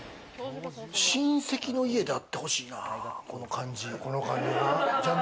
親戚の家であってほしいな、この感じ。